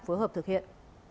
phối hợp thực hiện